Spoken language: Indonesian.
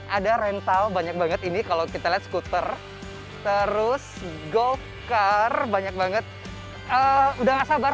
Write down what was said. ada rental banyak banget ini kalau kita let s kuter terus golf car banyak banget udah sabar